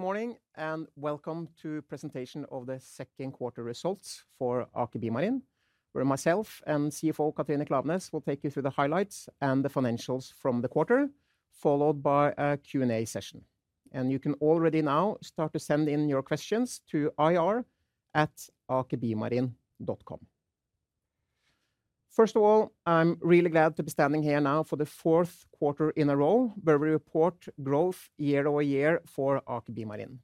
Good morning, and welcome to presentation of the second quarter results for Aker BioMarine, where myself and CFO Katrine Klaveness will take you through the highlights and the financials from the quarter, followed by a Q&A session. You can already now start to send in your questions to ir@akerbiomarine.com. First of all, I'm really glad to be standing here now for the fourth quarter in a row, where we report growth year-over-year for Aker BioMarine,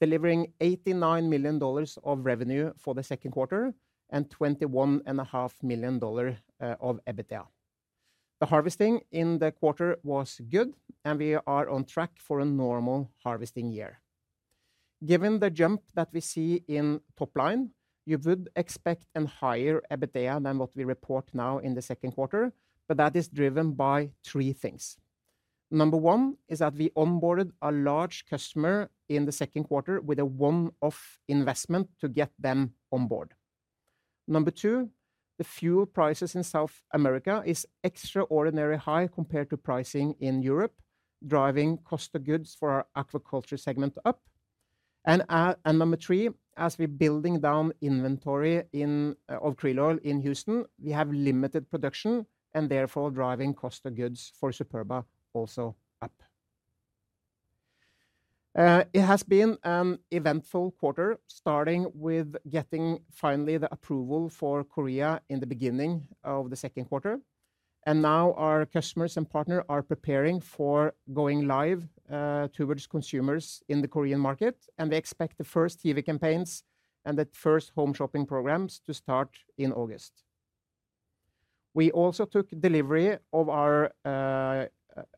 delivering $89 million of revenue for the second quarter and $21.5 million of EBITDA. The harvesting in the quarter was good, and we are on track for a normal harvesting year. Given the jump that we see in top line, you would expect an higher EBITDA than what we report now in the second quarter, that is driven by three things. Number one is that we onboarded a large customer in the second quarter with a one-off investment to get them on board. Number two, the fuel prices in South America is extraordinary high compared to pricing in Europe, driving COGS for our aquaculture segment up. Number three, as we're building down inventory of krill oil in Houston, we have limited production and therefore driving COGS for Superba also up. It has been an eventful quarter, starting with getting finally the approval for Korea in the beginning of the second quarter, now our customers and partners are preparing for going live towards consumers in the Korean market, they expect the first TV campaigns and the first home shopping programs to start in August. We also took delivery of our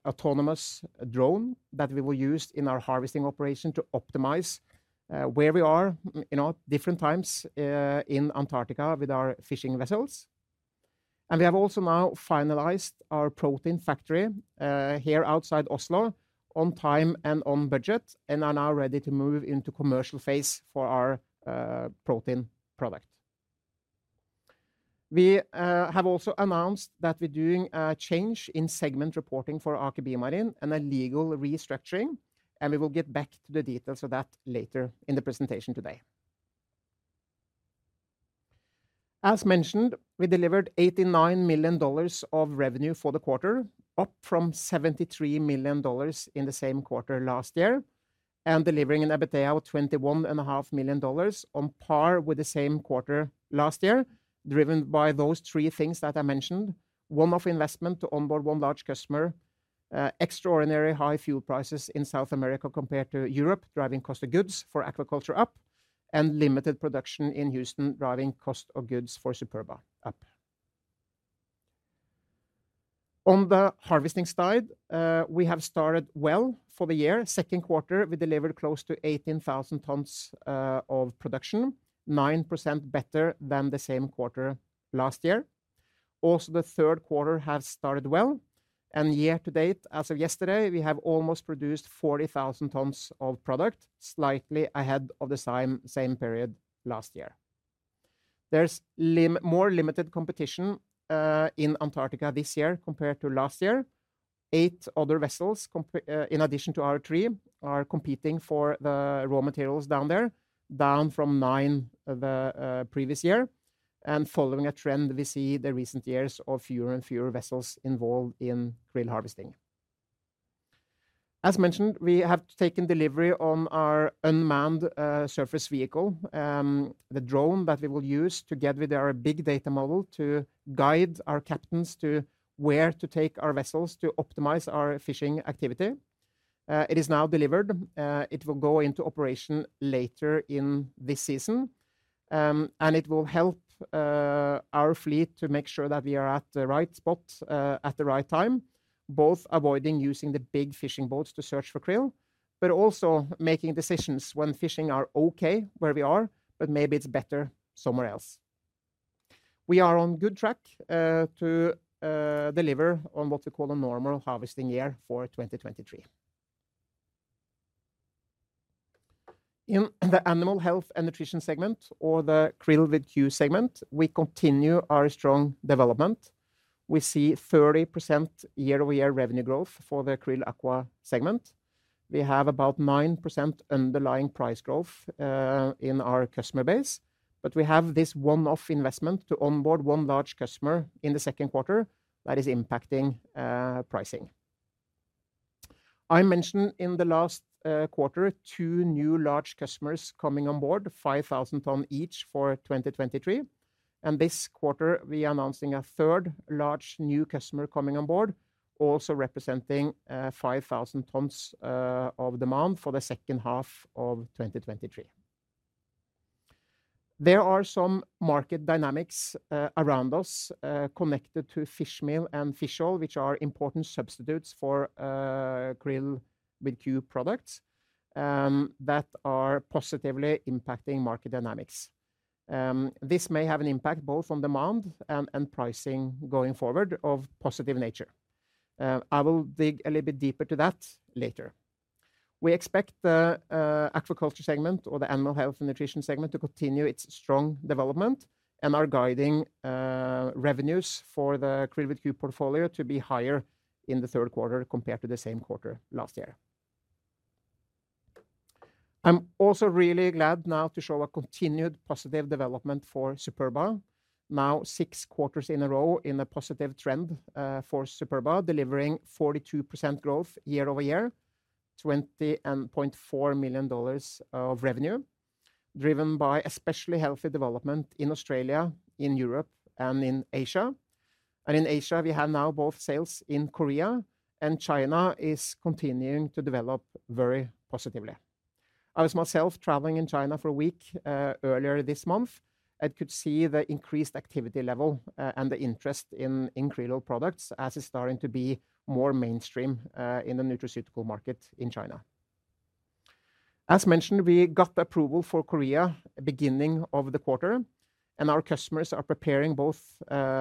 autonomous drone that we will use in our harvesting operation to optimize where we are in all different times in Antarctica with our fishing vessels. We have also now finalized our protein pilot plant here outside Ski, on time and on budget, and are now ready to move into commercial phase for our protein product. We have also announced that we're doing a change in segment reporting for Aker BioMarine and a legal restructuring, and we will get back to the details of that later in the presentation today. As mentioned, we delivered $89 million of revenue for the quarter, up from $73 million in the same quarter last year, delivering an EBITDA of twenty-one and a half million dollars, on par with the same quarter last year, driven by those three things that I mentioned: one-off investment to onboard one large customer, extraordinary high fuel prices in South America compared to Europe, driving cost of goods for aquaculture up, limited production in Houston, driving cost of goods for Superba up. On the harvesting side, we have started well for the year. Second quarter, we delivered close to 18,000 tons of production, 9% better than the same quarter last year. The third quarter has started well, year to date, as of yesterday, we have almost produced 40,000 tons of product, slightly ahead of the same period last year. There's more limited competition in Antarctica this year compared to last year. Eight other vessels, in addition to our three, are competing for the raw materials down there, down from nine the previous year, following a trend we see the recent years of fewer and fewer vessels involved in krill harvesting. As mentioned, we have taken delivery on our unmanned surface vehicle, the drone that we will use together with our big data model to guide our captains to where to take our vessels to optimize our fishing activity. It is now delivered. It will go into operation later in this season, it will help our fleet to make sure that we are at the right spot, at the right time, both avoiding using the big fishing boats to search for krill, also making decisions when fishing are okay where we are, maybe it's better somewhere else. We are on good track to deliver on what we call a normal harvesting year for 2023. In the animal health and nutrition segment, or the QRILL segment, we continue our strong development. We see 30% year-over-year revenue growth for the QRILL Aqua segment. We have about 9% underlying price growth in our customer base, we have this one-off investment to onboard one large customer in the second quarter that is impacting pricing. I mentioned in the last quarter, two new large customers coming on board, 5,000 tons each for 2023. This quarter, we are announcing a third large new customer coming on board, also representing 5,000 tons of demand for the second half of 2023. There are some market dynamics around us connected to fish meal and fish oil, which are important substitutes for QRILL products that are positively impacting market dynamics. This may have an impact both on demand and pricing going forward of positive nature. I will dig a little bit deeper to that later. We expect the aquaculture segment or the animal health and nutrition segment to continue its strong development and are guiding revenues for the QRILL portfolio to be higher in the 3rd quarter compared to the same quarter last year. I'm also really glad now to show a continued positive development for Superba. Third quarters in a row in a positive trend for Superba, delivering 42% growth year-over-year, $20.4 million of revenue, driven by especially healthy development in Australia, in Europe, and in Asia. In Asia, we have now both sales in Korea, and China is continuing to develop very positively. I was myself traveling in China for a week earlier this month, and could see the increased activity level and the interest in krill oil products as it's starting to be more mainstream in the nutraceutical market in China. As mentioned, we got the approval for Korea beginning of the quarter, and our customers are preparing both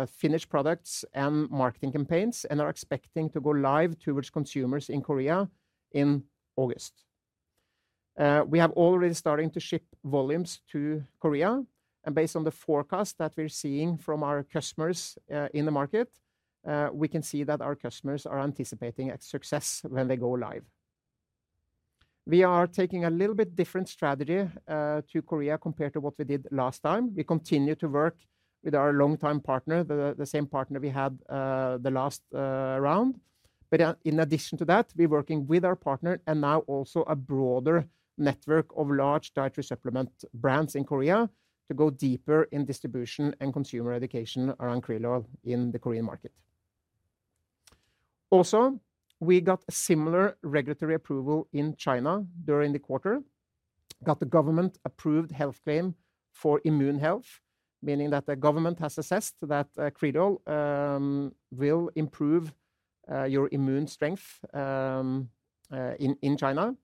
finished products and marketing campaigns, and are expecting to go live towards consumers in Korea in August. We have already starting to ship volumes to Korea, and based on the forecast that we're seeing from our customers in the market, we can see that our customers are anticipating a success when they go live. We are taking a little bit different strategy to Korea compared to what we did last time. We continue to work with our longtime partner, the same partner we had, the last round. In addition to that, we're working with our partner and now also a broader network of large dietary supplement brands in Korea, to go deeper in distribution and consumer education around krill oil in the Korean market. We got a similar regulatory approval in China during the quarter. Got the government-approved health claim for immune health, meaning that the government has assessed that krill oil will improve your immune strength in China.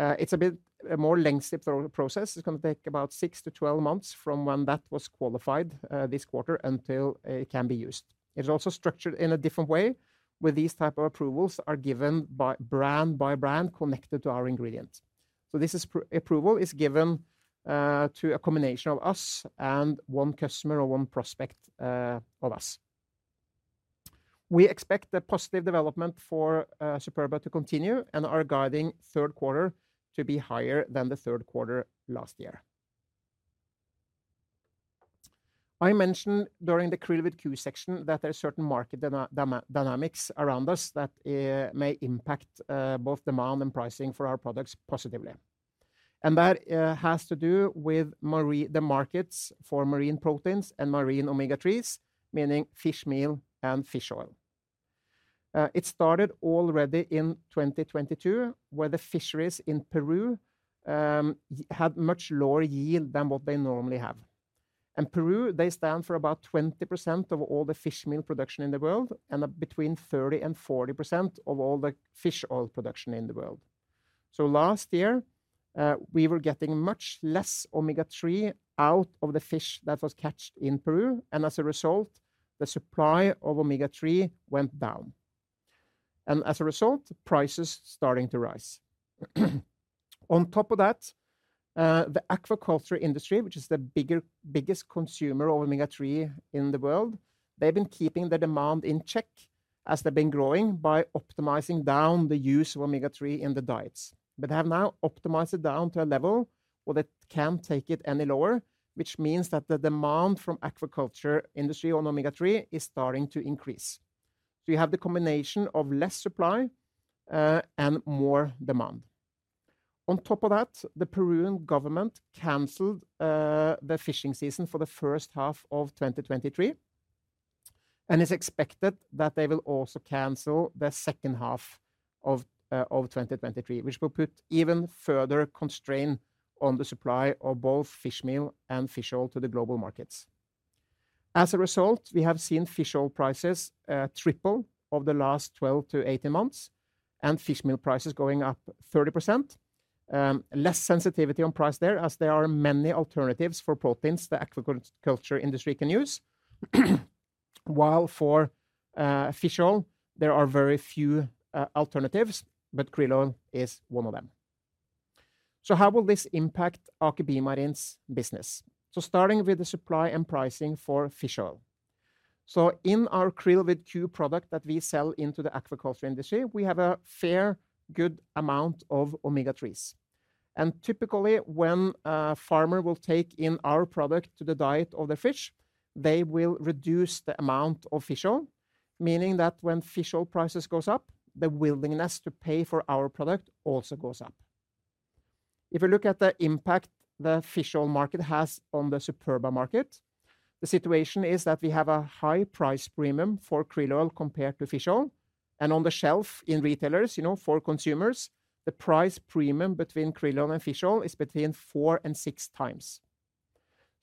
It's a bit a more lengthy thorough process. It's gonna take about 6-12 months from when that was qualified, this quarter, until it can be used. It's also structured in a different way, where these type of approvals are given by brand by brand, connected to our ingredient. This approval is given to a combination of us and one customer or one prospect of us. We expect the positive development for Superba to continue, and are guiding third quarter to be higher than the third quarter last year. I mentioned during the Krill with Q section that there are certain market dynamics around us, that may impact both demand and pricing for our products positively. That has to do with the markets for marine proteins and marine omega-3s, meaning fish meal and fish oil. It started already in 2022, where the fisheries in Peru had much lower yield than what they normally have. Peru, they stand for about 20% of all the fish meal production in the world, and between 30% and 40% of all the fish oil production in the world. Last year, we were getting much less omega-3 out of the fish that was catched in Peru, and as a result, the supply of omega-3 went down, and as a result, prices starting to rise. On top of that, the aquaculture industry, which is the biggest consumer of omega-3 in the world, they've been keeping the demand in check as they've been growing, by optimizing down the use of omega-3 in the diets. They have now optimized it down to a level where they can't take it any lower, which means that the demand from aquaculture industry on omega-3 is starting to increase. You have the combination of less supply, and more demand. On top of that, the Peruvian government canceled the fishing season for the first half of 2023, and it's expected that they will also cancel the second half of 2023, which will put even further constraint on the supply of both fish meal and fish oil to the global markets. As a result, we have seen fish oil prices triple over the last 12-18 months, and fish meal prices going up 30%. Less sensitivity on price there, as there are many alternatives for proteins the aquaculture industry can use. While for fish oil, there are very few alternatives, but krill oil is one of them. How will this impact Aker BioMarine's business? Starting with the supply and pricing for fish oil. In our QRILL product that we sell into the aquaculture, we have a fair, good amount of omega-3, and typically, when a farmer will take in our product to the diet of the fish, they will reduce the amount of fish oil, meaning that when fish oil prices goes up, the willingness to pay for our product also goes up. If you look at the impact the fish oil market has on the Superba market, the situation is that we have a high price premium for krill oil compared to fish oil. On the shelf in retailers, you know, for consumers, the price premium between krill oil and fish oil is between four and six times.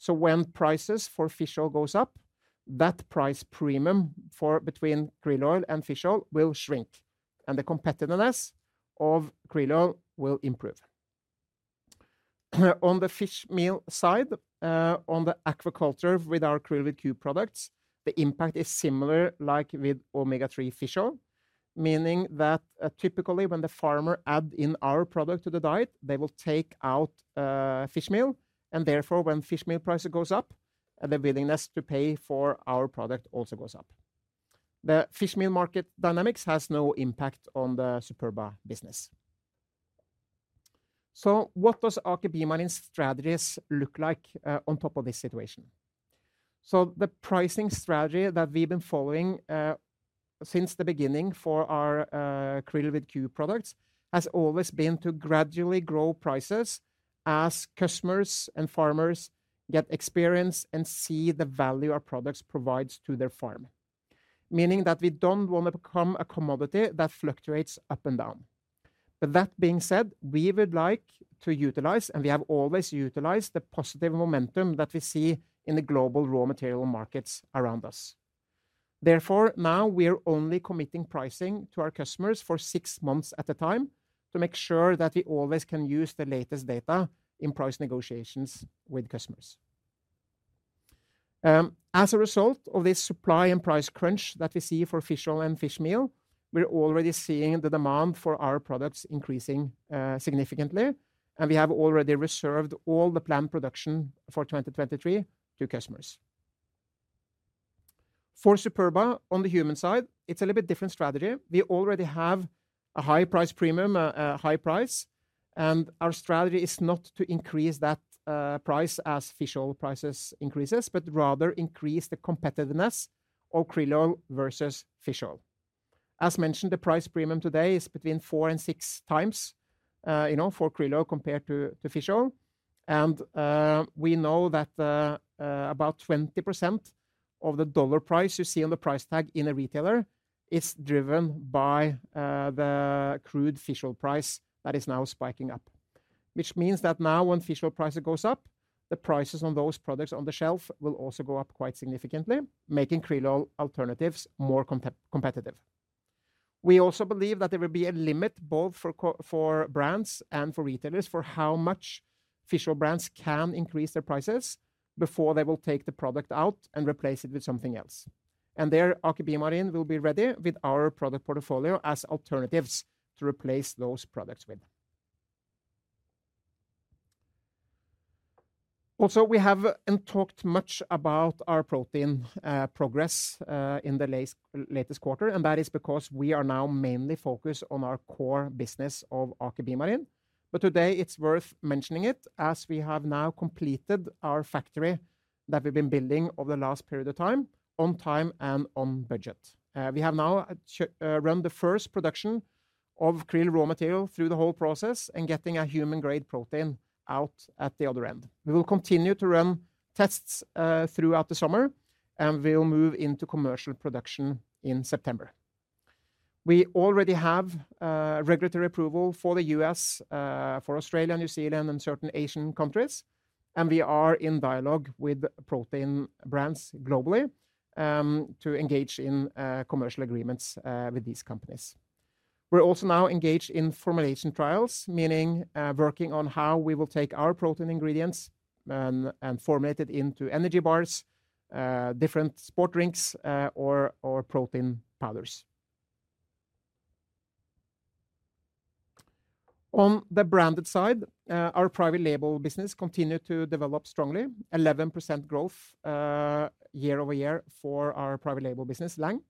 When prices for fish oil goes up, that price premium for between krill oil and fish oil will shrink, and the competitiveness of krill oil will improve. On the fish meal side, on the aquaculture with our krill with Q products, the impact is similar, like with omega-3 fish oil, meaning that typically, when the farmer add in our product to the diet, they will take out fish meal, and therefore, when fish meal price goes up, the willingness to pay for our product also goes up. The fish meal market dynamics has no impact on the Superba business. What does Aker BioMarine strategies look like on top of this situation? The pricing strategy that we've been following since the beginning for our krill with Q products, has always been to gradually grow prices as customers and farmers get experience and see the value our products provides to their farm. Meaning that we don't wanna become a commodity that fluctuates up and down. That being said, we would like to utilize, and we have always utilized, the positive momentum that we see in the global raw material markets around us. Therefore, now we are only committing pricing to our customers for six months at a time, to make sure that we always can use the latest data in price negotiations with customers. As a result of this supply and price crunch that we see for fish oil and fish meal, we're already seeing the demand for our products increasing significantly, and we have already reserved all the planned production for 2023 to customers. For Superba, on the human side, it's a little bit different strategy. We already have a high price premium, a high price, and our strategy is not to increase that price as fish oil prices increases, but rather increase the competitiveness of krill oil versus fish oil. As mentioned, the price premium today is between four and six times, you know, for krill oil compared to fish oil. We know that about 20% of the dollar price you see on the price tag in a retailer is driven by the crude fish oil price that is now spiking up. Which means that now when fish oil price goes up, the prices on those products on the shelf will also go up quite significantly, making krill oil alternatives more competitive. We also believe that there will be a limit, both for brands and for retailers, for how much fish oil brands can increase their prices before they will take the product out and replace it with something else. There, Aker BioMarine will be ready with our product portfolio as alternatives to replace those products with. Also, we haven't talked much about our protein progress in the latest quarter. That is because we are now mainly focused on our core business of Aker BioMarine. Today, it's worth mentioning it, as we have now completed our factory that we've been building over the last period of time, on time and on budget. We have now run the first production of krill raw material through the whole process, and getting a human-grade protein out at the other end. We will continue to run tests throughout the summer, and we'll move into commercial production in September. We already have regulatory approval for the U.S., for Australia, New Zealand, and certain Asian countries, and we are in dialogue with protein brands globally to engage in commercial agreements with these companies. We're also now engaged in formulation trials, meaning working on how we will take our protein ingredients and formulate it into energy bars, different sport drinks, or protein powders. On the branded side, our private label business continued to develop strongly. 11% growth year-over-year for our private label business, Lang,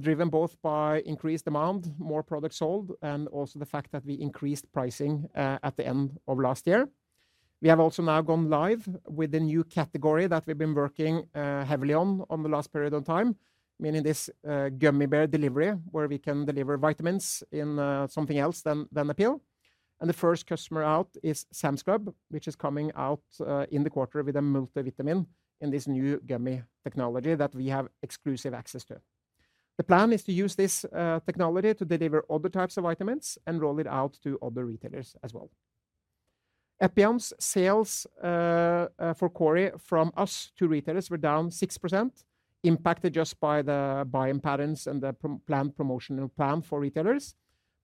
driven both by increased demand, more products sold, and also the fact that we increased pricing at the end of last year. We have also now gone live with the new category that we've been working heavily on the last period of time, meaning this gummy bear delivery, where we can deliver vitamins in something else than a pill. The first customer out is Sam's Club, which is coming out in the quarter with a multivitamin in this new gummy technology that we have exclusive access to. The plan is to use this technology to deliver other types of vitamins and roll it out to other retailers as well. Epion's sales for Kori from us to retailers were down 6%, impacted just by the buying patterns and the planned promotional plan for retailers.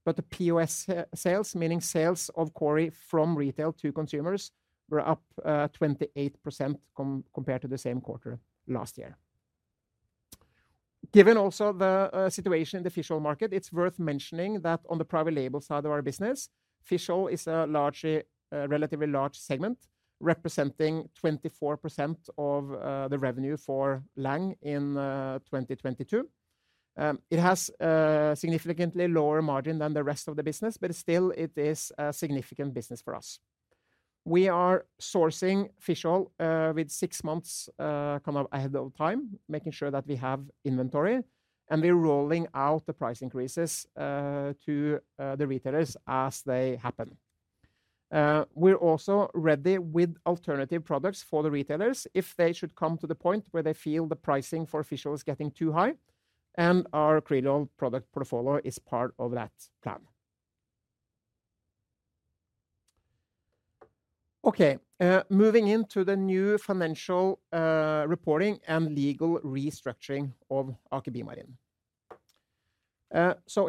The POS sales, meaning sales of Kori from retail to consumers, were up 28% compared to the same quarter last year. Given also the situation in the fish oil market, it's worth mentioning that on the private label side of our business, fish oil is a largely, a relatively large segment, representing 24% of the revenue for Lang in 2022. It has a significantly lower margin than the rest of the business, but still, it is a significant business for us. We are sourcing fish oil with 6 months kind of ahead of time, making sure that we have inventory, and we're rolling out the price increases to the retailers as they happen. We're also ready with alternative products for the retailers if they should come to the point where they feel the pricing for fish oil is getting too high, and our krill oil product portfolio is part of that plan. Moving into the new financial reporting and legal restructuring of Aker BioMarine.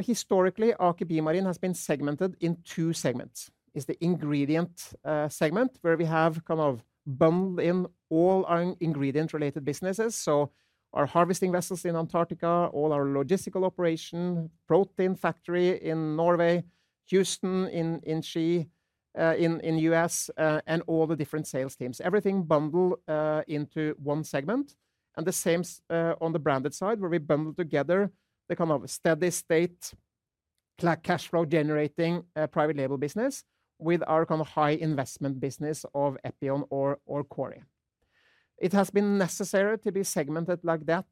Historically, Aker BioMarine has been segmented in two segments, is the ingredient segment, where we have kind of bundled in all our ingredient-related businesses, so our harvesting vessels in Antarctica, all our logistical operation, protein factory in Norway, Houston in U.S., and all the different sales teams. Everything bundle into one segment, and the same on the branded side, where we bundle together the kind of steady state, like cash flow generating, private label business with our kind of high investment business of Aker BioMarine or Kori. It has been necessary to be segmented like that,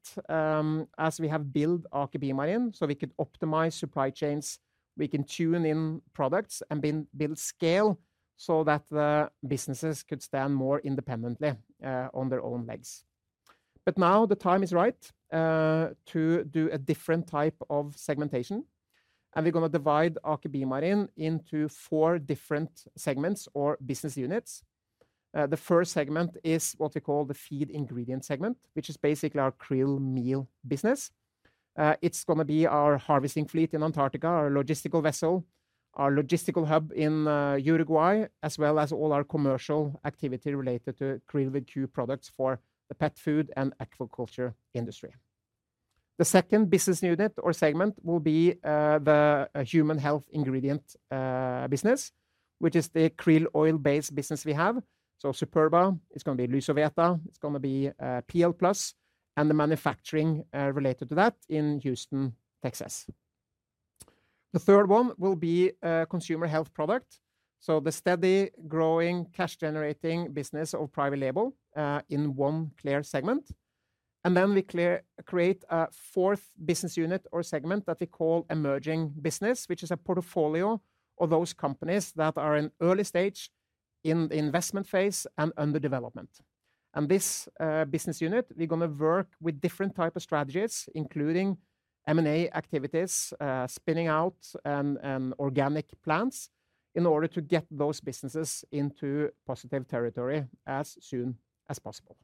as we have built Aker BioMarine, so we could optimize supply chains, we can tune in products, and build scale so that the businesses could stand more independently on their own legs. Now the time is right to do a different type of segmentation. We're gonna divide Aker BioMarine into four different segments or business units. The first segment is what we call the feed ingredient segment, which is basically our krill meal business. It's gonna be our harvesting fleet in Antarctica, our logistical vessel, our logistical hub in Uruguay, as well as all our commercial activity related to krill with Q products for the pet food and aquaculture industry. The second business unit or segment will be the human health ingredient business, which is the krill oil-based business we have. Superba, it's gonna be Lucovitaal, it's gonna be PL+, and the manufacturing related to that in Houston, Texas. The third one will be a consumer health product, so the steady growing cash generating business of private label in one clear segment. Then we create a fourth business unit or segment that we call emerging business, which is a portfolio of those companies that are in early stage, in the investment phase and under development. This business unit, we're gonna work with different type of strategies, including M&A activities, spinning out and organic plans, in order to get those businesses into positive territory as soon as possible.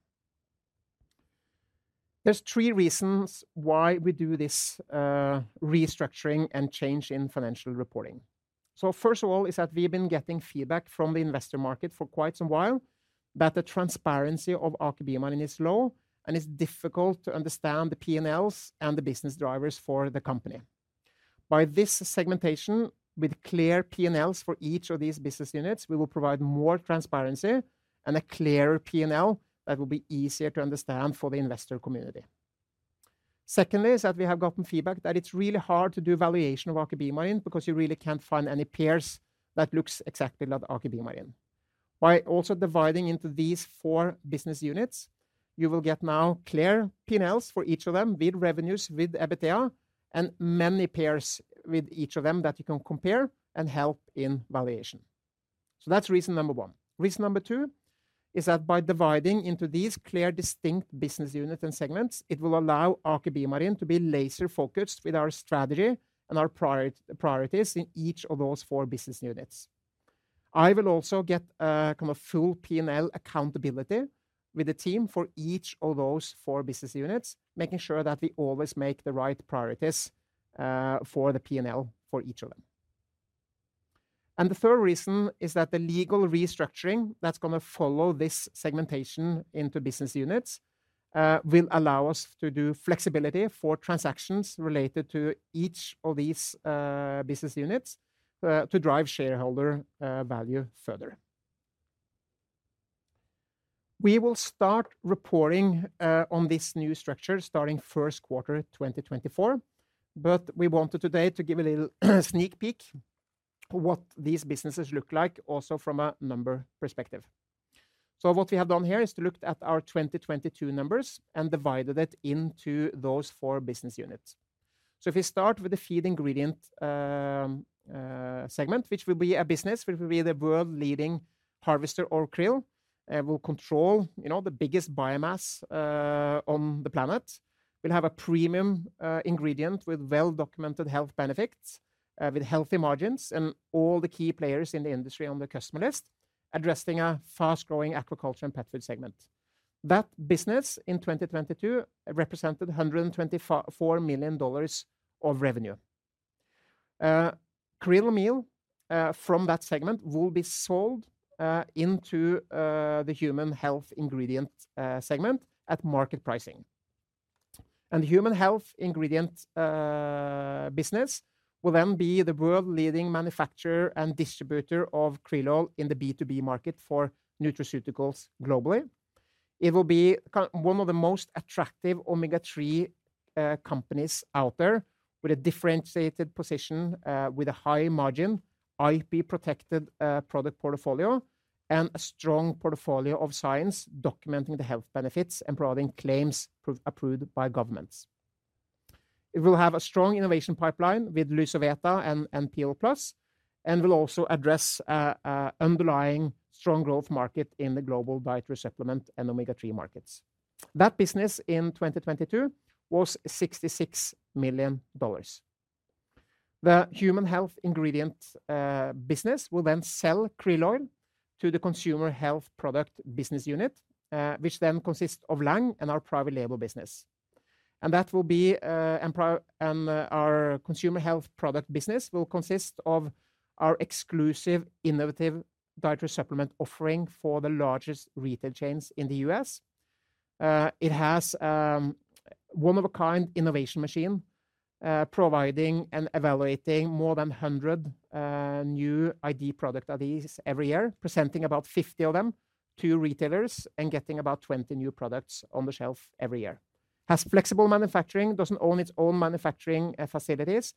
There's three reasons why we do this, restructuring and change in financial reporting. First of all, is that we've been getting feedback from the investor market for quite some while, that the transparency of Aker BioMarine is low, and it's difficult to understand the P&Ls and the business drivers for the company. By this segmentation, with clear P&Ls for each of these business units, we will provide more transparency and a clearer P&L that will be easier to understand for the investor community. Secondly, is that we have gotten feedback that it's really hard to do valuation of Aker BioMarine because you really can't find any peers that looks exactly like Aker BioMarine. By also dividing into these four business units, you will get now clear P&Ls for each of them, with revenues, with EBITDA, and many peers with each of them that you can compare and help in valuation. That's reason number one. Reason number two, is that by dividing into these clear, distinct business units and segments, it will allow Aker BioMarine to be laser focused with our strategy and our priorities in each of those four business units. I will also get a kind of full P&L accountability with the team for each of those four business units, making sure that we always make the right priorities for the P&L, for each of them. The third reason is that the legal restructuring that's gonna follow this segmentation into business units will allow us to do flexibility for transactions related to each of these business units to drive shareholder value further. We will start reporting on this new structure starting first quarter, 2024. We wanted today to give a little sneak peek what these businesses look like, also from a number perspective. What we have done here, is to looked at our 2022 numbers and divided it into those four business units. If you start with the feed ingredient segment, which will be a business, which will be the world-leading harvester or krill, will control, you know, the biggest biomass on the planet. We'll have a premium ingredient with well-documented health benefits with healthy margins and all the key players in the industry on the customer list, addressing a fast-growing aquaculture and pet food segment. That business in 2022, represented $124 million of revenue. Krill meal from that segment will be sold into the human health ingredient segment at market pricing. Human health ingredient business will then be the world-leading manufacturer and distributor of krill oil in the B2B market for nutraceuticals globally. It will be one of the most attractive omega-3 companies out there, with a differentiated position with a high margin, IP-protected product portfolio, and a strong portfolio of science, documenting the health benefits and providing claims approved by governments. It will have a strong innovation pipeline with Lucovitaal and PL+, and will also address a underlying strong growth market in the global dietary supplement and omega-3 markets. That business in 2022 was $66 million. The human health ingredient business will then sell krill oil to the consumer health product business unit, which then consists of Lang and our private label business. That will be, our consumer health product business will consist of our exclusive innovative dietary supplement offering for the largest retail chains in the U.S.. It has one-of-a-kind innovation machine, providing and evaluating more than 100 new ID product IDs every year, presenting about 50 of them to retailers and getting about 20 new products on the shelf every year. Has flexible manufacturing, doesn't own its own manufacturing facilities,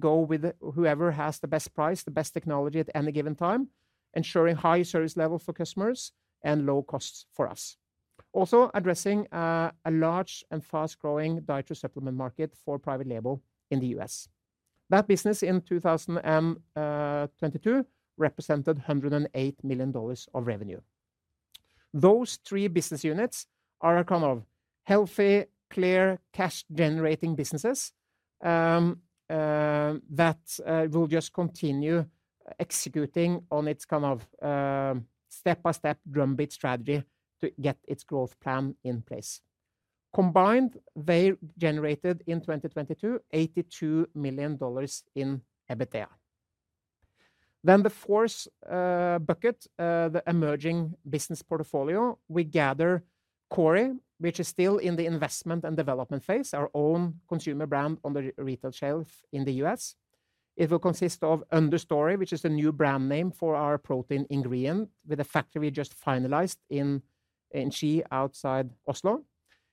go with whoever has the best price, the best technology at any given time, ensuring high service level for customers and low costs for us. Addressing a large and fast-growing dietary supplement market for private label in the U.S.. That business in 2022 represented $108 million of revenue. Those three business units are a kind of healthy, clear, cash-generating businesses that will just continue executing on its kind of step-by-step drum beat strategy to get its growth plan in place. Combined, they generated in 2022, $82 million in EBITDA. The fourth bucket, the emerging business portfolio, we gather Kori, which is still in the investment and development phase, our own consumer brand on the retail shelf in the U.S.. It will consist of Understory, which is the new brand name for our protein ingredient, with a factory we just finalized in Ski, outside Oslo.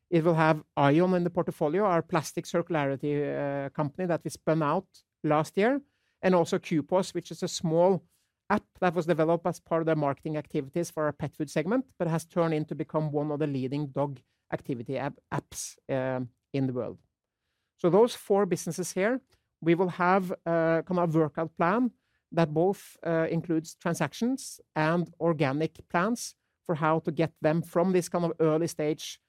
It will have AION in the portfolio, our plastic circularity company that we spun out last year, and also Qpos, which is a small app that was developed as part of the marketing activities for our pet food segment, but has turned in to become one of the leading dog activity apps in the world. Those four businesses here, we will have a kind of workout plan that both includes transactions and organic plans for how to get them from this kind of early stage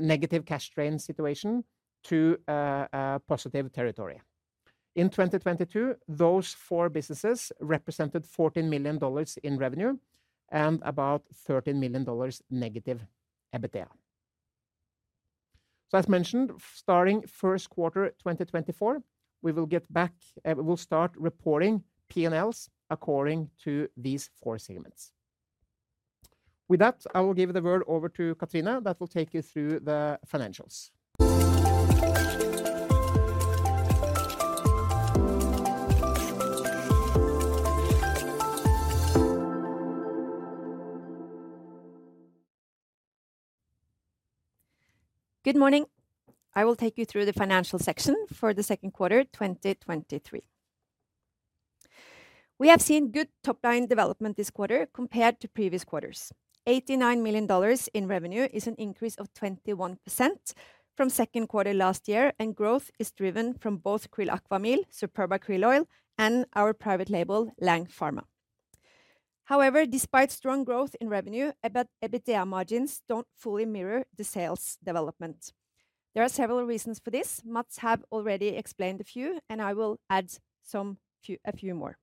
negative cash train situation to a positive territory. In 2022, those four businesses represented $14 million in revenue and about $13 million negative EBITDA. As mentioned, starting first quarter, 2024, we will start reporting P&Ls according to these four segments. With that, I will give the word over to Katrine, that will take you through the financials. Good morning. I will take you through the financial section for the second quarter, 2023. We have seen good top line development this quarter compared to previous quarters. $89 million in revenue is an increase of 21% from second quarter last year, growth is driven from both QRILL Aqua, Superba krill oil, and our private label, Lang Pharma. Despite strong growth in revenue, EBITDA margins don't fully mirror the sales development. There are several reasons for this. Mads have already explained a few, I will add a few more.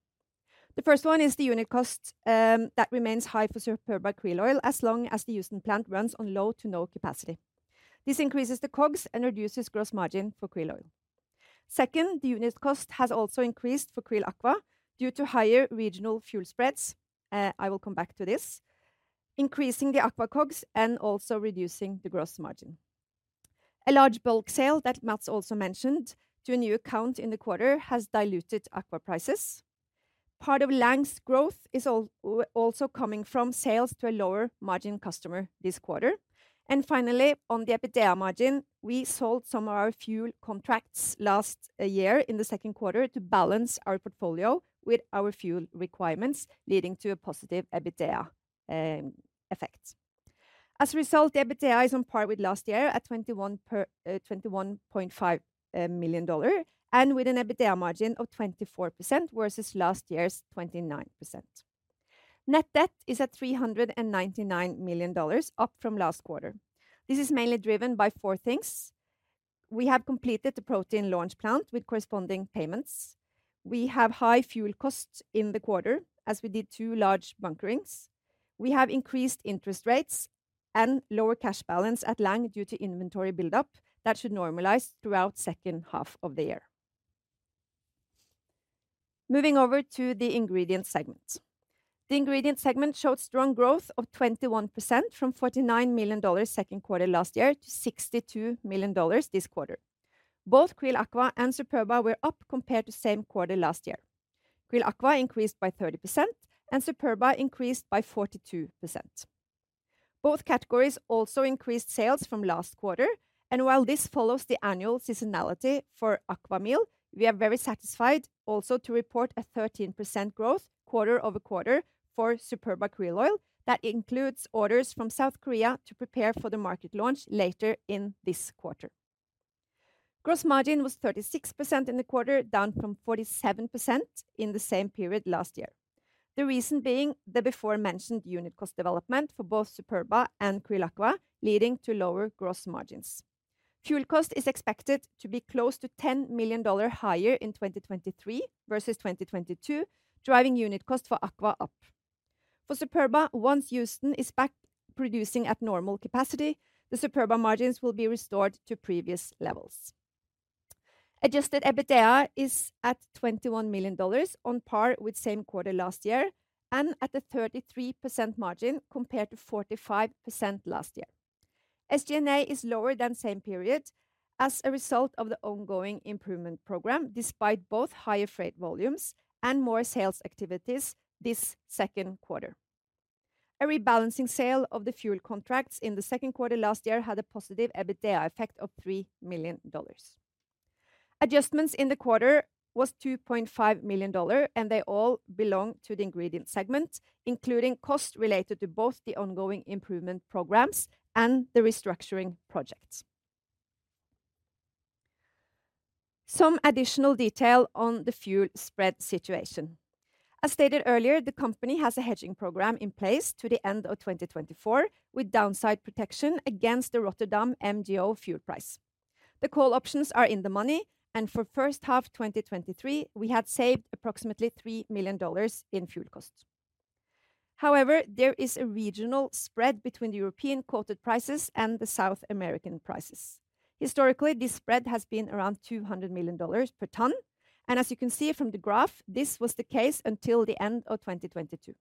The first one is the unit cost that remains high for Superba krill oil as long as the Houston plant runs on low to no capacity. This increases the COGS and reduces gross margin for krill oil. Second, the unit cost has also increased for QRILL Aqua due to higher regional fuel spreads, I will come back to this, increasing the Aqua COGS and also reducing the gross margin. A large bulk sale that Mads also mentioned to a new account in the quarter, has diluted Aqua prices. Part of Lang's growth is also coming from sales to a lower margin customer this quarter. Finally, on the EBITDA margin, we sold some of our fuel contracts last year in the second quarter to balance our portfolio with our fuel requirements, leading to a positive EBITDA effect. As a result, the EBITDA is on par with last year at twenty-one per... $21.5 million, and with an EBITDA margin of 24% versus last year's 29%. Net debt is at $399 million, up from last quarter. This is mainly driven by four things. We have completed the protein pilot plant with corresponding payments. We have high fuel costs in the quarter, as we did two large bunkerings. We have increased interest rates and lower cash balance at Lang due to inventory buildup that should normalize throughout second half of the year. Moving over to the ingredient segment. The ingredient segment showed strong growth of 21% from $49 million second quarter last year, to $62 million this quarter. Both QRILL Aqua and Superba were up compared to same quarter last year. QRILL Aqua increased by 30% and Superba increased by 42%. Both categories also increased sales from last quarter. While this follows the annual seasonality for QRILL Aqua, we are very satisfied also to report a 13% growth quarter-over-quarter for Superba krill oil. That includes orders from South Korea to prepare for the market launch later in this quarter. Gross margin was 36% in the quarter, down from 47% in the same period last year. The reason being, the before-mentioned unit cost development for both Superba and QRILL Aqua, leading to lower gross margins. Fuel cost is expected to be close to $10 million higher in 2023 versus 2022, driving unit cost for QRILL Aqua up. For Superba, once Houston is back producing at normal capacity, the Superba margins will be restored to previous levels. Adjusted EBITDA is at $21 million, on par with same quarter last year, and at a 33% margin, compared to 45% last year. SG&A is lower than same period as a result of the ongoing improvement program, despite both higher freight volumes and more sales activities this second quarter. A rebalancing sale of the fuel contracts in the second quarter last year had a positive EBITDA effect of $3 million. Adjustments in the quarter was $2.5 million. They all belong to the ingredient segment, including costs related to both the ongoing improvement programs and the restructuring projects. Some additional detail on the fuel spread situation. As stated earlier, the company has a hedging program in place to the end of 2024, with downside protection against the Rotterdam MGO fuel price. The call options are in the money. For first half 2023, we had saved approximately $3 million in fuel costs. However, there is a regional spread between the European quoted prices and the South American prices. Historically, this spread has been around $200 million per ton. As you can see from the graph, this was the case until the end of 2022.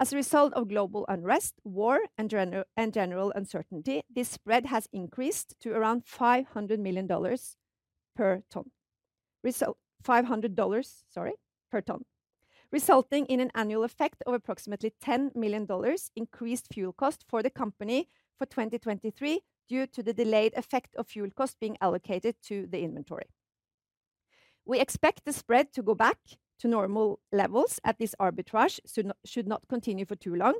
As a result of global unrest, war, and general uncertainty, this spread has increased to around $500 million per ton. $500, sorry, per ton, resulting in an annual effect of approximately $10 million increased fuel cost for the company for 2023, due to the delayed effect of fuel costs being allocated to the inventory. We expect the spread to go back to normal levels, as this arbitrage should not continue for too long,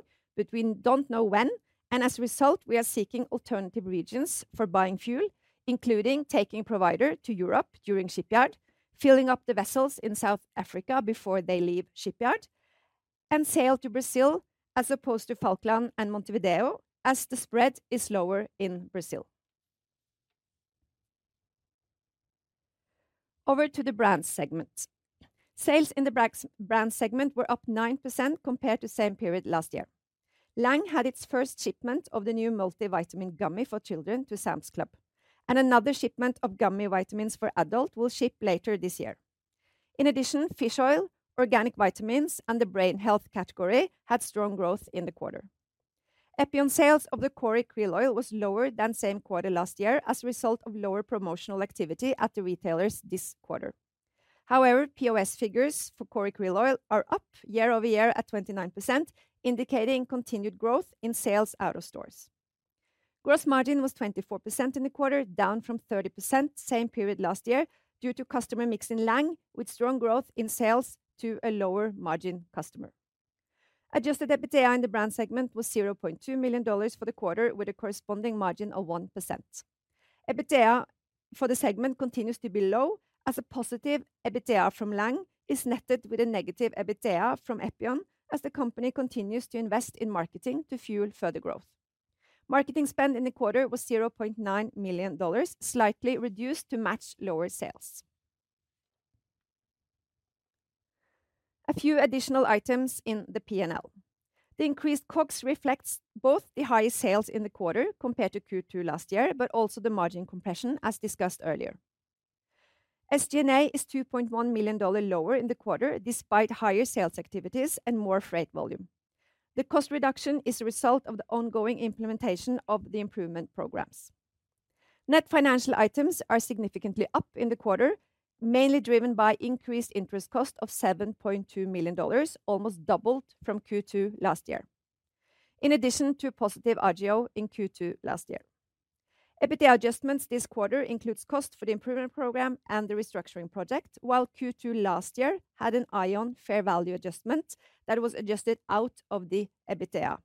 we don't know when. As a result, we are seeking alternative regions for buying fuel, including taking Antarctic Provider to Europe during shipyard, filling up the vessels in South Africa before they leave shipyard, and sail to Brazil as opposed to Falkland and Montevideo, as the spread is lower in Brazil. Over to the brands segment. Sales in the brand segment were up 9% compared to same period last year. Lang had its first shipment of the new multivitamin gummy for children to Sam's Club. Another shipment of gummy vitamins for adult will ship later this year. In addition, fish oil, organic vitamins, and the brain health category had strong growth in the quarter. Epion sales of the krill oil was lower than same quarter last year as a result of lower promotional activity at the retailers this quarter. However, POS figures for krill oil are up year-over-year at 29%, indicating continued growth in sales out of stores. Gross margin was 24% in the quarter, down from 30% same period last year, due to customer mix in Lang, with strong growth in sales to a lower-margin customer. Adjusted EBITDA in the brand segment was $0.2 million for the quarter, with a corresponding margin of 1%. EBITDA for the segment continues to be low, as a positive EBITDA from Lang is netted with a negative EBITDA from Epion, as the company continues to invest in marketing to fuel further growth. Marketing spend in the quarter was $0.9 million, slightly reduced to match lower sales. A few additional items in the P&L. The increased COGS reflects both the higher sales in the quarter compared to Q2 last year, but also the margin compression, as discussed earlier. SG&A is $2.1 million lower in the quarter, despite higher sales activities and more freight volume. The cost reduction is a result of the ongoing implementation of the improvement programs. Net financial items are significantly up in the quarter, mainly driven by increased interest cost of $7.2 million, almost doubled from Q2 last year, in addition to positive RGO in Q2 last year. EBITDA adjustments this quarter includes cost for the improvement program and the restructuring project, while Q2 last year had an AION fair value adjustment that was adjusted out of the EBITDA.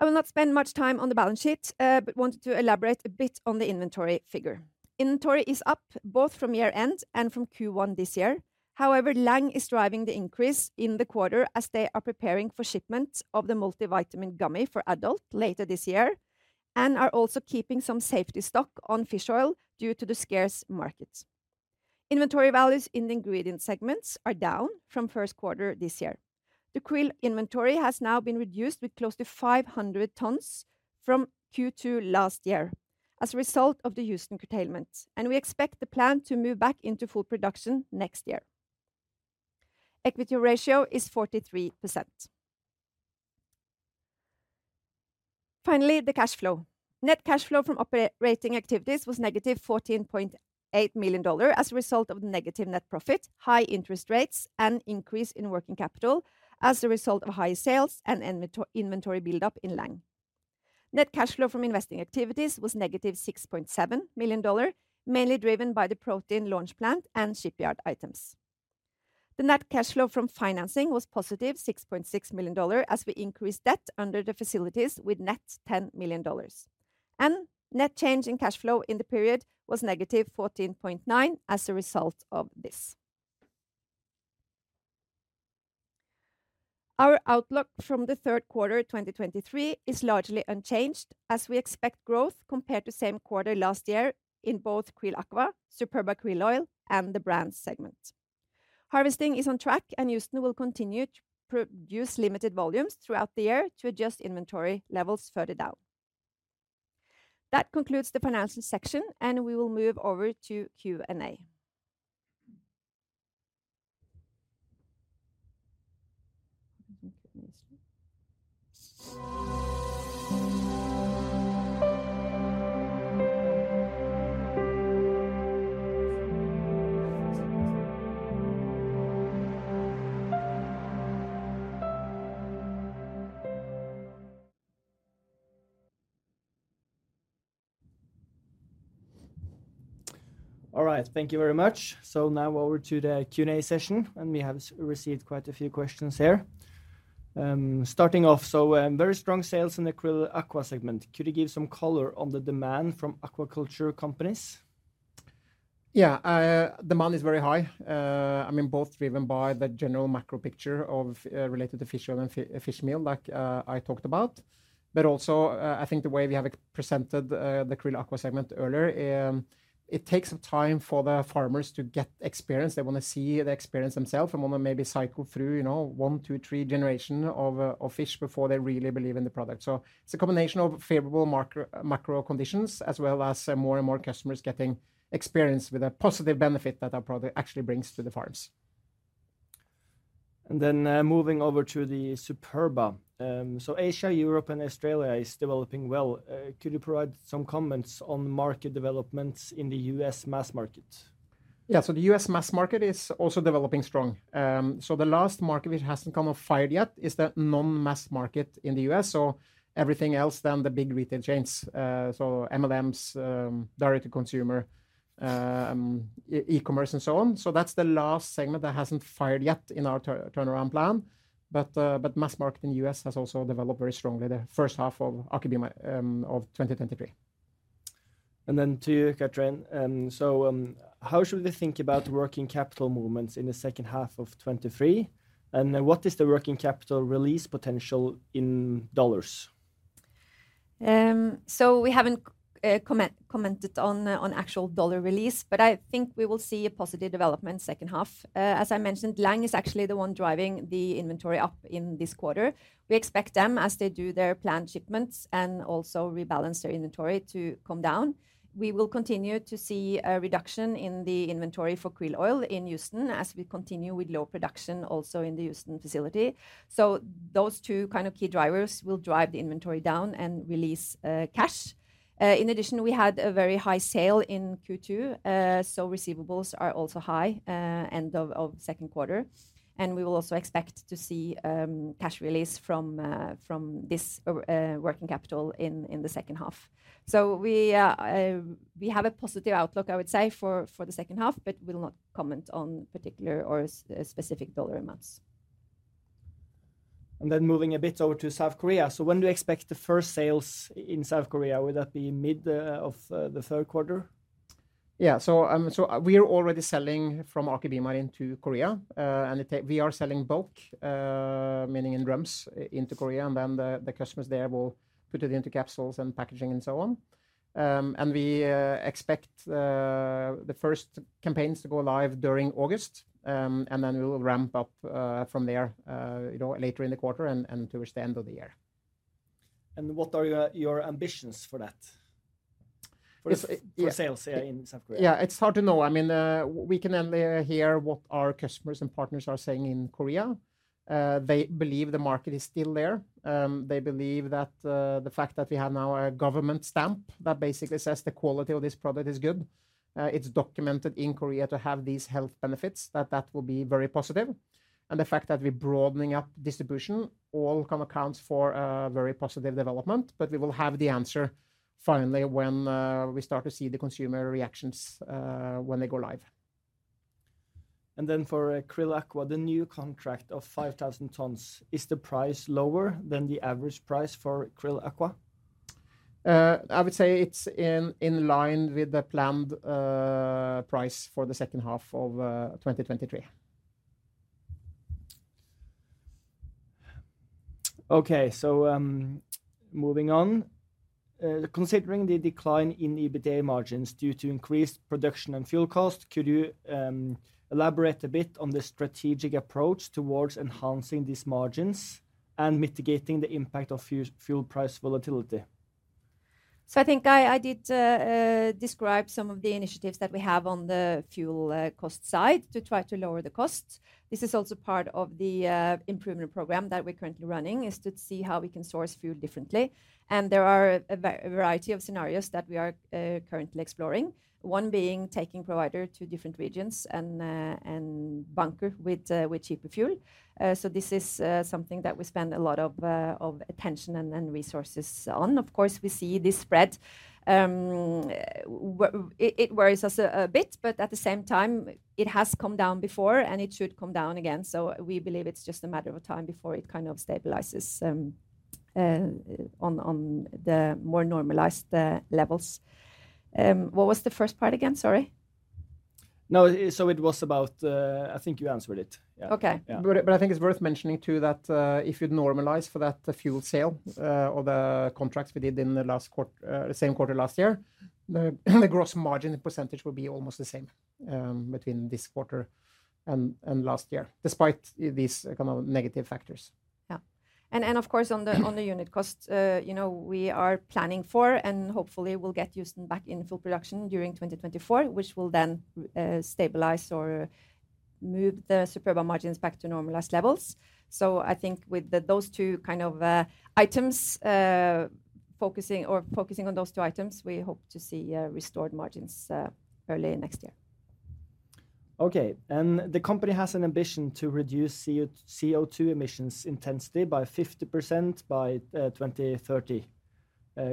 I will not spend much time on the balance sheet, but wanted to elaborate a bit on the inventory figure. Inventory is up both from year-end and from Q1 this year. However, Lang is driving the increase in the quarter, as they are preparing for shipment of the multivitamin gummy for adult later this year, and are also keeping some safety stock on fish oil due to the scarce markets. Inventory values in the ingredient segments are down from first quarter this year. The krill inventory has now been reduced, with close to 500 tons from Q2 last year as a result of the Houston curtailment, and we expect the plant to move back into full production next year. Equity ratio is 43%. Finally, the cash flow. Net cash flow from operating activities was negative $14.8 million as a result of negative net profit, high interest rates, and increase in working capital as a result of higher sales and inventory buildup in Lang. Net cash flow from investing activities was negative $6.7 million, mainly driven by the protein pilot plant and shipyard items. The net cash flow from financing was positive $6.6 million, as we increased debt under the facilities with net $10 million. Net change in cash flow in the period was negative $14.9 million as a result of this. Our outlook from the third quarter 2023 is largely unchanged, as we expect growth compared to same quarter last year in both QRILL Aqua, Superba Krill Oil, and the brands segment. harvesting is on track, and Houston will continue to produce limited volumes throughout the year to adjust inventory levels further down. That concludes the financial section, and we will move over to Q&A. All right. Thank you very much. Now over to the Q&A session, and we have received quite a few questions here. Starting off, very strong sales in the QRILL Aqua segment. Could you give some color on the demand from aquaculture companies? Yeah, demand is very high, I mean, both driven by the general macro picture of related to fish oil and fish meal, like I talked about. Also, I think the way we have presented the QRILL Aqua segment earlier, it takes some time for the farmers to get experience. They want to see the experience themselves and want to maybe cycle through, you know, one, two, three generation of fish before they really believe in the product. It's a combination of favorable macro conditions, as well as more and more customers getting experience with the positive benefit that our product actually brings to the farms. Moving over to the Superba. Asia, Europe, and Australia is developing well. Could you provide some comments on market developments in the U.S. mass market? The U.S. mass market is also developing strong. The last market which hasn't come of fired yet is the non-mass market in the U.S., so everything else than the big retail chains. MLMs, direct to consumer, e-commerce and so on. That's the last segment that hasn't fired yet in our turnaround plan. Mass market in the U.S. has also developed very strongly the first half of 2023. To you, Katrine. How should we think about working capital movements in the second half of 2023? What is the working capital release potential in dollars? We haven't commented on actual dollar release, but I think we will see a positive development second half. As I mentioned, Lang is actually the one driving the inventory up in this quarter. We expect them, as they do their planned shipments and also rebalance their inventory, to come down. We will continue to see a reduction in the inventory for krill oil in Houston as we continue with low production also in the Houston facility. Those two kind of key drivers will drive the inventory down and release cash. In addition, we had a very high sale in Q2, receivables are also high end of the second quarter. We will also expect to see cash release from this working capital in the second half. We have a positive outlook, I would say, for the second half, but we'll not comment on particular or specific dollar amounts. Moving a bit over to South Korea. When do you expect the first sales in South Korea? Will that be mid of the third quarter? Yeah. We are already selling from Aker BioMarine to Korea. We are selling bulk, meaning in drums, into Korea, and then the customers there will put it into capsules and packaging and so on. We expect the first campaigns to go live during August. We will ramp up from there, you know, later in the quarter and towards the end of the year. What are your ambitions for that? If- For sales, yeah, in South Korea. Yeah, it's hard to know. I mean, we can only hear what our customers and partners are saying in Korea. They believe the market is still there. They believe that the fact that we have now a government stamp that basically says the quality of this product is good, it's documented in Korea to have these health benefits, that will be very positive. The fact that we're broadening up distribution, all kind of accounts for a very positive development. We will have the answer finally when we start to see the consumer reactions when they go live. For QRILL Aqua, the new contract of 5,000 tons, is the price lower than the average price for QRILL Aqua? I would say it's in line with the planned price for the second half of 2023. Moving on. Considering the decline in EBITDA margins due to increased production and fuel cost, could you elaborate a bit on the strategic approach towards enhancing these margins and mitigating the impact of fuel price volatility? I think I did describe some of the initiatives that we have on the fuel cost side to try to lower the cost. This is also part of the improvement program that we're currently running, is to see how we can source fuel differently. There are a variety of scenarios that we are currently exploring. One being taking Antarctic Provider to different regions and bunker with cheaper fuel. This is something that we spend a lot of attention and resources on. Of course, we see this spread. It worries us a bit, but at the same time, it has come down before, and it should come down again. We believe it's just a matter of time before it kind of stabilizes, on the more normalized levels. What was the first part again? Sorry. No, it was about. I think you answered it. Okay. I think it's worth mentioning, too, that, if you normalize for that fuel sale, or the contracts we did in the last quarter same quarter last year, the gross margin percentage will be almost the same, between this quarter and last year, despite these kind of negative factors. Yeah. And of course, on the unit cost, you know, we are planning for, and hopefully we'll get Houston back in full production during 2024, which will then stabilize or move the Superba margins back to normalized levels. I think with those two kind of items, focusing on those two items, we hope to see restored margins early next year. Okay, the company has an ambition to reduce CO2 emissions intensity by 50% by 2030.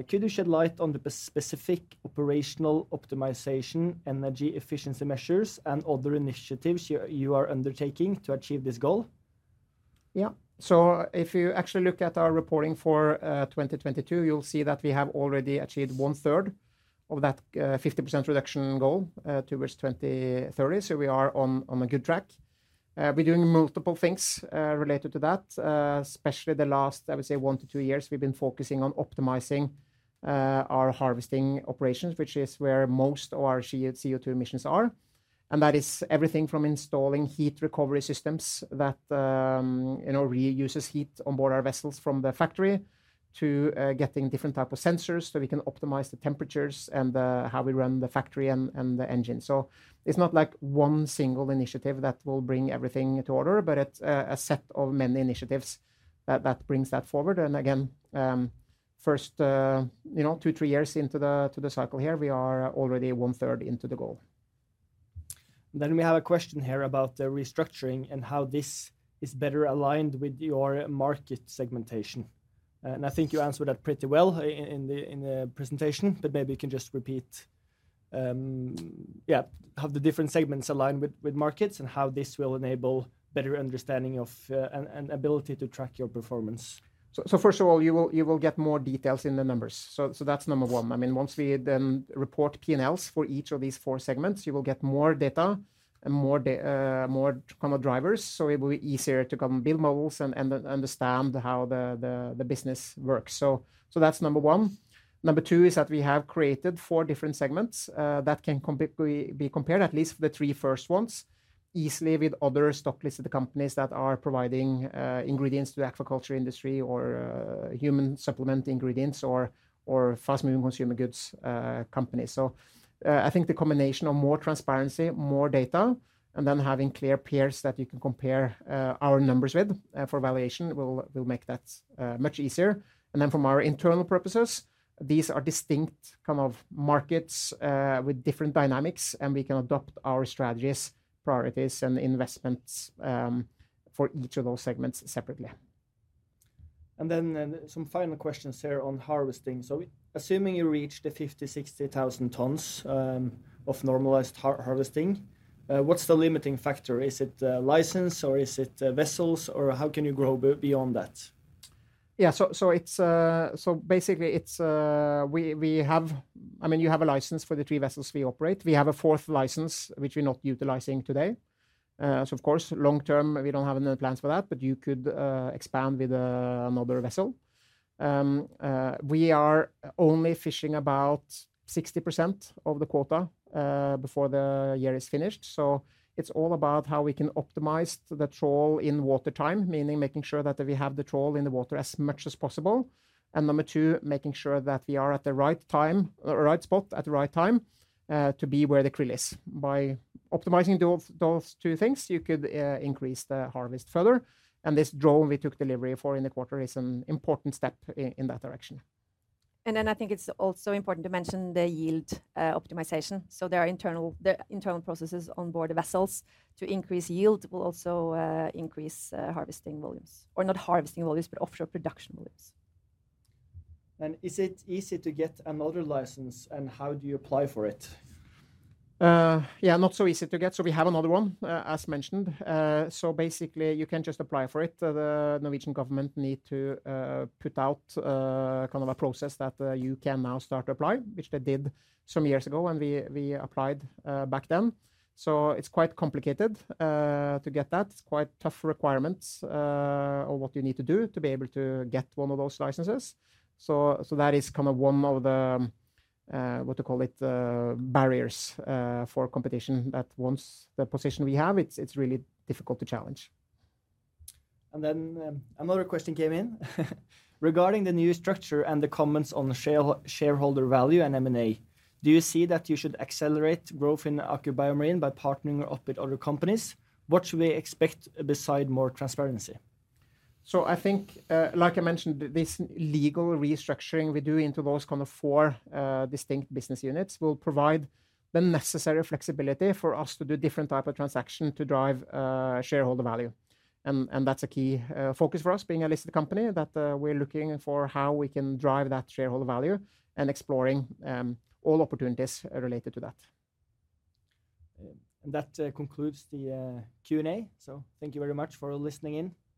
Could you shed light on the specific operational optimization, energy efficiency measures, and other initiatives you are undertaking to achieve this goal? Yeah. If you actually look at our reporting for 2022, you'll see that we have already achieved one third of that 50% reduction goal towards 2030. We are on a good track. We're doing multiple things related to that. Especially the last, I would say, one-two years, we've been focusing on optimizing our harvesting operations, which is where most of our CO2 emissions are. That is everything from installing heat recovery systems that, you know, reuses heat on board our vessels from the factory, to getting different type of sensors so we can optimize the temperatures and how we run the factory and the engine. It's not like one single initiative that will bring everything to order, but it's a set of many initiatives that brings that forward. Again, first, you know, two, three years into the cycle here, we are already one third into the goal. We have a question here about the restructuring and how this is better aligned with your market segmentation. I think you answered that pretty well in the presentation, but maybe you can just repeat. Yeah, how the different segments align with markets, and how this will enable better understanding of and ability to track your performance. First of all, you will get more details in the numbers. That's number one. I mean, once we then report P&Ls for each of these four segments, you will get more data and more kind of drivers, so it will be easier to come build models and understand how the business works. That's number one. Number two is that we have created four different segments that can completely be compared, at least for the three first ones, easily with other stock-listed companies that are providing ingredients to the aquaculture industry, or human supplement ingredients or fast-moving consumer goods companies. I think the combination of more transparency, more data, and then having clear peers that you can compare our numbers with for valuation will make that much easier. From our internal purposes, these are distinct kind of markets with different dynamics, and we can adapt our strategies, priorities, and investments for each of those segments separately. Some final questions here on harvesting. Assuming you reach the 50,000, 60,000 tons of normalized harvesting, what's the limiting factor? Is it license or is it vessels, or how can you grow beyond that? It's basically, I mean, you have a license for the three vessels we operate. We have a fourth license, which we're not utilizing today. Of course, long term, we don't have any plans for that, but you could expand with another vessel. We are only fishing about 60% of the quota before the year is finished. It's all about how we can optimize the trawl in water time, meaning making sure that we have the trawl in the water as much as possible. Number two, making sure that we are at the right time, or right spot, at the right time, to be where the krill is. By optimizing those two things, you could increase the harvest further, and this drone we took delivery for in the quarter is an important step in that direction. I think it's also important to mention the yield optimization. There are the internal processes on board the vessels. To increase yield will also increase harvesting volumes, or not harvesting volumes, but offshore production volumes. Is it easy to get another license, and how do you apply for it? Yeah, not so easy to get, so we have another one, as mentioned. Basically, you can just apply for it. The Norwegian government need to put out kind of a process that you can now start to apply, which they did some years ago, and we applied back then. It's quite complicated to get that. It's quite tough requirements on what you need to do to be able to get one of those licenses. That is kind of one of the, what you call it, barriers for competition, that once the position we have, it's really difficult to challenge. Another question came in regarding the new structure and the comments on the shareholder value and M&A. Do you see that you should accelerate growth in Aker BioMarine by partnering up with other companies? What should we expect beside more transparency? I think, like I mentioned, this legal restructuring we do into those kind of four distinct business units will provide the necessary flexibility for us to do different type of transaction to drive shareholder value. And that's a key focus for us, being a listed company, that we're looking for how we can drive that shareholder value and exploring all opportunities related to that. That concludes the Q&A. Thank you very much for listening in. Thank you.